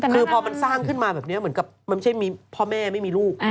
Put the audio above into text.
คือพอมันสร้างขึ้นมาแบบนี้มันไม่ใช่พ่อแม่ไม่มีลูก